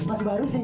masih baru sih ya